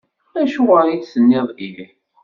Acuɣer i d-tenniḍ ih?